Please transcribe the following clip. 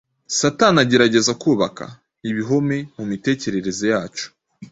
Satani agerageza kubaka “ ibihome’’ mu mitekerereze yacu,